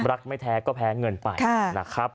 ไม่แท้ก็แพ้เงินไปนะครับ